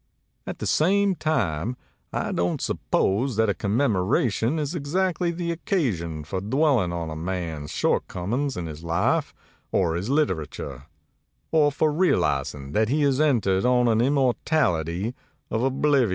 At the same time, t don't suppose that a commemoration is exactly the occasion for dwelling on a man's short <>r his literature, or for realizing that he has entered on an immortality of oblivion.